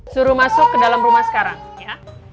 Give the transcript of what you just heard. suruh masuk ke dalam rumah sekarang ya